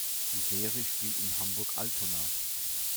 Die Serie spielt in Hamburg-Altona.